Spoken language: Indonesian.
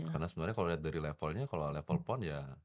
karena sebenernya kalo liat dari levelnya kalo level pon ya